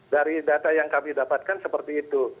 dari data yang kami dapatkan seperti itu